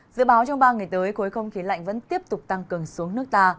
dự báo trong ba ngày tới khối không khí lạnh vẫn tiếp tục tăng cường xuống nước ta